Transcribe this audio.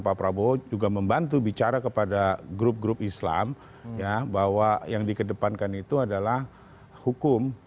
pak prabowo juga membantu bicara kepada grup grup islam bahwa yang dikedepankan itu adalah hukum